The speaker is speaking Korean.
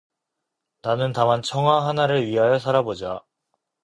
나는 다만 청아 하나를 위하여 살아 보자.